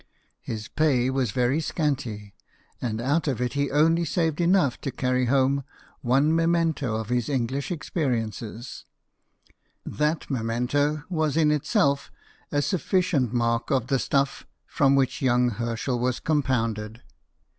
His pay was very scanty, and out of it he only saved enough to carry home one memento of his English experiences. That 92 BIOGRAPHIES OF WORKING MEN. memento was in itself a sufficient mark of the stuff from which young Herschel was com pounded.